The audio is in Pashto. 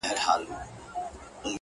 سترگه وره مي په پت باندي پوهېږي؛